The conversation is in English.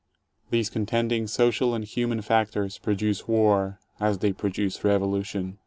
These contending social and human factors produce war, as they produce revolution.